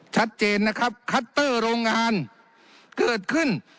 ชัดเจนนะครับคัตเตอร์โรงงานเกิดขึ้น